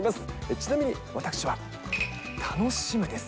ちなみに私は、楽しむです。